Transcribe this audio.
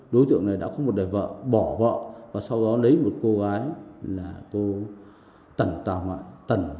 đối tượng này đã có một đời vợ bỏ vợ và sau đó lấy một cô gái là cô tẩn tà mạnh